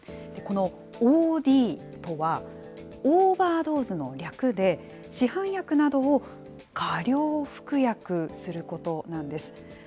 このＯＤとは、オーバードーズの略で、市販薬などを過量服薬することなんです。